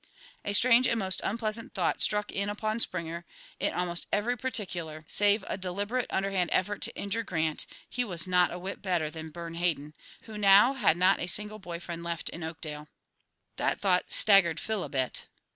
A strange and most unpleasant thought struck in upon Springer; in almost every particular, save a deliberate underhand effort to injure Grant, he was not a whit better than Bern Hayden, who now had not a single boy friend left in Oakdale. That thought staggered Phil a bit.